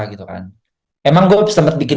gitu kan emang gue sempet bikin